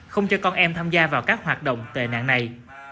không cho con em tham gia vào các hoạt động tệ nạn này